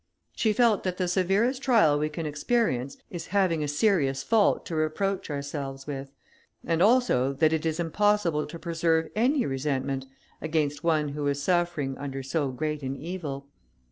She felt that the severest trial we can experience, is the having a serious fault to reproach ourselves with; and also that it is impossible to preserve any resentment against one who was suffering under so great an evil.